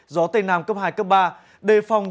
gió tây nam cấp hai cấp ba đề phòng